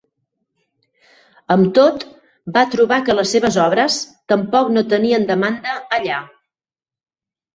Amb tot, va trobar que les seves obres tampoc no tenien demanda allà.